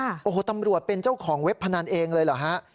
โอ้โหตำรวจเป็นเจ้าของเว็บพนันเองเลยเหรอฮะ